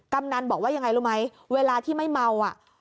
กำนันบอกว่ายังไงรู้ไหมเวลาที่ไม่เมาอ่ะ